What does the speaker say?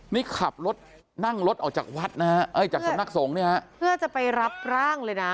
นี่ขับรถนั่งรถออกจากวัดนะฮะเอ้ยจากสำนักสงฆ์เนี่ยฮะเพื่อจะไปรับร่างเลยนะ